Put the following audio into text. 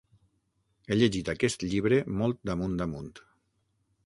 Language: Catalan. He llegit aquest llibre molt damunt damunt.